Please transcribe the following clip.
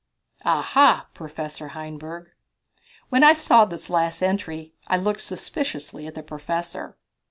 Aha, Professor Heidelberg! When I saw this last entry I looked suspiciously at the professor.